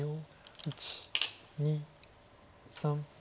１２３。